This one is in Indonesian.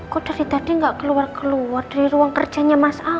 kok dari tadi nggak keluar keluar dari ruang kerjanya mas ahy